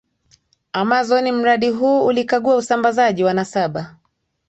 Amazon Mradi huu ulikagua usambazaji wa nasaba